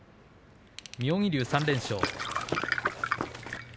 妙義龍、３連勝。